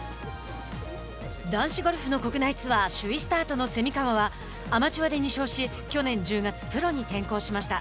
男子ゴルフの国内ツアー首位スタートの蝉川はアマチュアで２勝し去年１０月、プロに転向しました。